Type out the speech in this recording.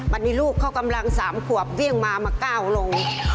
วันนี้ลูกเขากำลัง๓ขวบวิ่งมามาก้าวลง